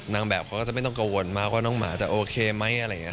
นางแบบเขาก็จะไม่ต้องกระวนมากว่าน้องหมาจะโอเคไหม